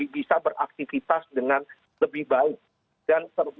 bisa beraktivitas dengan lebih baik